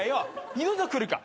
二度と来るか。